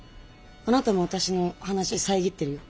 あなたも私の話遮ってるよ。